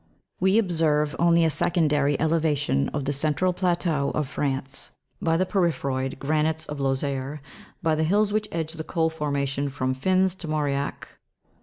We observe only a secondary elevation of the central plateau of France by the porphyroid granites of Lozere, by the hills which edge the coal formation from Fins to Mauriac.